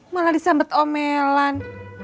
malah disambut omelan